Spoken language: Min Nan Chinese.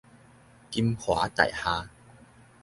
金華大廈